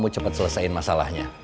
cepet selesain masalahnya